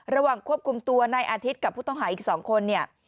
ระหว่างควบคุมตัวนายอาทิตย์กับผู้ต้องหาอีก๒คนเนี่ย